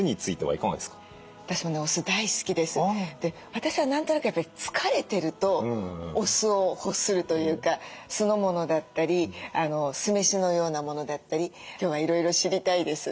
私は何となくやっぱり疲れてるとお酢を欲するというか酢の物だったり酢飯のようなものだったり今日はいろいろ知りたいです。